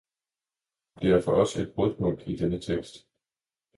Det er for os et brudpunkt i denne tekst.